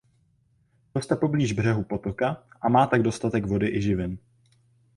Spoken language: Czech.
Roste poblíž břehu potoka a má tak dostatek vody i živin.